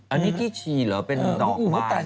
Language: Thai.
อันนี้ที่ฉี่เหรอเป็นหนอกบ้าน